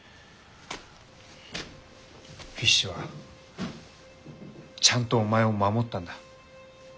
フィッシュはちゃんとお前を守ったんだ。